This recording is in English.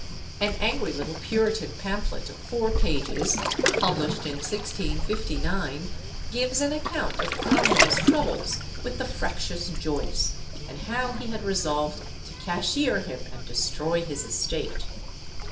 An angry little Puritan pamphlet of four pages, published in 1659, gives an account of Cromwell's troubles with the fractious Joyce, and how he had resolved to cashier him and destroy his estate.